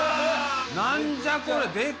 何じゃこれ。